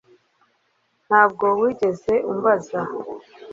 ntabwo wigeze umbaza